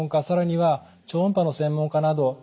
更には超音波の専門家など